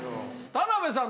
田辺さん